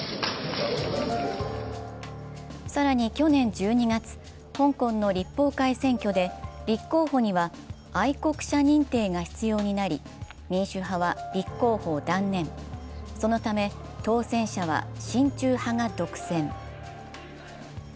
更に去年１２月、香港の立法会選挙で立候補には愛国者認定が必要になり、民主派は立候補を断念、そのため当選者は親中派が独占。